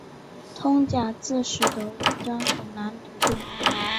通假字使得文章很难读懂。